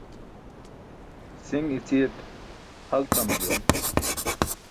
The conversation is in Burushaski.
Si̇ṅ i̇ci̇yaṭ hal tam juwan.